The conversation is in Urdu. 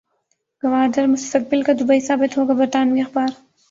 گوادر مستقبل کا دبئی ثابت ہوگا برطانوی اخبار